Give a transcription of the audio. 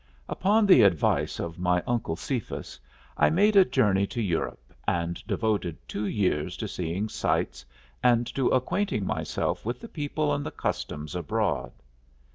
Upon the advice of my Uncle Cephas, I made a journey to Europe, and devoted two years to seeing sights and to acquainting myself with the people and the customs abroad.